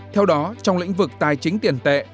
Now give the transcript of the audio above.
theo đó trong lĩnh vực tài chính tiền tệ